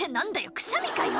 くしゃみかよ